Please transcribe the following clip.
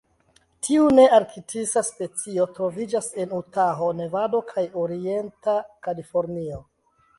Tiu nearktisa specio troviĝas en Utaho, Nevado kaj orienta Kalifornio.